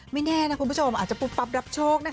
แน่นะคุณผู้ชมอาจจะปุ๊บปั๊บรับโชคนะคะ